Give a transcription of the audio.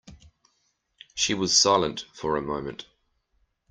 She was silent for a moment.